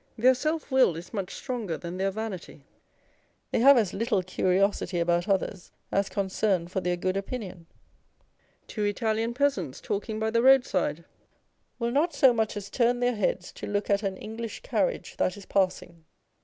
Their selfwill .is much stronger than their vanity â€" they have as little curiosity about others as concern for their good opinion. Two Italian peasants talking by the roadside will not so much as turn their heads to look at an English carriage that is passing.